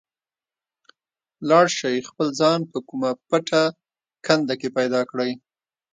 لاړ شئ خپل ځان په کومه پټه کنده کې پیدا کړئ.